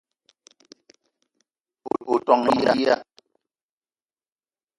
O te ton ya?